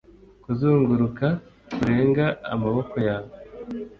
Kuzunguruka kurenga amaboko yawe